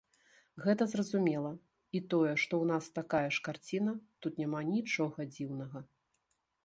Гэта зразумела, і тое, што ў нас такая ж карціна, тут няма нічога дзіўнага.